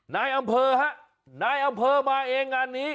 นายอำเภอฮะนายอำเภอมาเองงานนี้